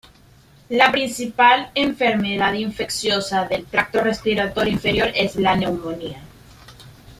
La principal enfermedad infecciosa del tracto respiratorio inferior es la neumonía.